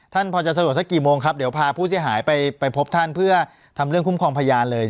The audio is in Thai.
พอจะสะดวกสักกี่โมงครับเดี๋ยวพาผู้เสียหายไปพบท่านเพื่อทำเรื่องคุ้มครองพยานเลย